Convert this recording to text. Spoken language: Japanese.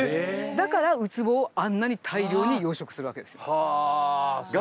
だからウツボをあんなに大量に養殖するわけですよ。はあそういうことなんだ。